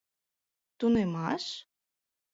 — Тунемаш?